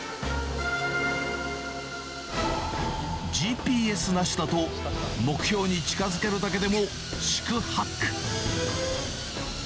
ＧＰＳなしだと目標に近づけるだけでも四苦八苦。